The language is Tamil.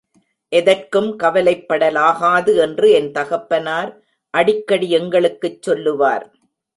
எதற்கும் கவலைப்படலாகாது என்று என் தகப்பனார் அடிக்கடி எங்களுக்குச் சொல்லுவார்.